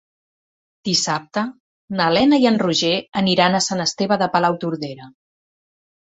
Dissabte na Lena i en Roger aniran a Sant Esteve de Palautordera.